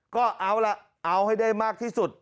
ก็เอาล่ะเอาให้ได้มากที่สุด